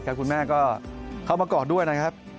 คุณแม่ก็เข้ามากอดด้วยนะครับ